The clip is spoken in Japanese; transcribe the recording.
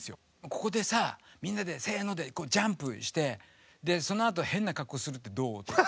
「ここでさあみんなでせのでジャンプしてそのあと変な格好するってどう？」とか。